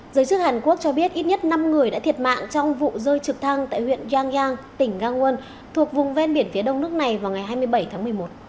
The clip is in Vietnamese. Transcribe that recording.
giới chức hàn quốc cho biết ít nhất năm người đã thiệt mạng trong vụ rơi trực thăng tại huyện yangyang tỉnh gangwon thuộc vùng ven biển phía đông nước này vào ngày hai mươi bảy tháng một mươi một